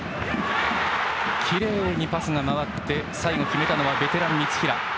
きれいにパスが回って最後決めたのはベテランの三平。